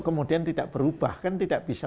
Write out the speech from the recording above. kemudian tidak berubah kan tidak bisa